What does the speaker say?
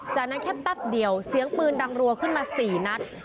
จากนั้นแค่แป๊บเดียวเสียงปืนดังรัวขึ้นมา๔นัด